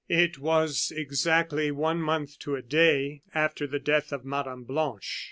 It was exactly one month to a day after the death of Mme. Blanche.